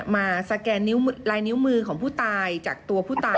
มาสแกนนิ้วลายนิ้วมือของผู้ตายจากตัวผู้ตาย